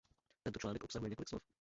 Tento článek obsahuje několik slov.